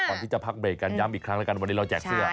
ก่อนที่จะพักเบรกกันย้ำอีกครั้งแล้วกันวันนี้เราแจกเสื้อ